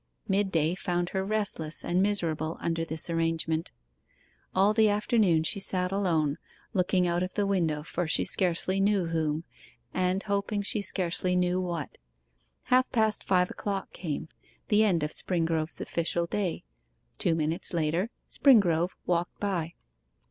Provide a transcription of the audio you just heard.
Mid day found her restless and miserable under this arrangement. All the afternoon she sat alone, looking out of the window for she scarcely knew whom, and hoping she scarcely knew what. Half past five o'clock came the end of Springrove's official day. Two minutes later Springrove walked by.